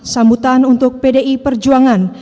sambutan untuk pdi perjuangan